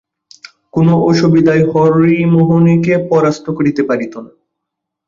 কোনো অসুবিধায় হরিমোহিনীকে পরাস্ত করিতে পারিত না।